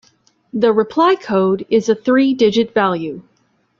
The reply code is a three-digit value.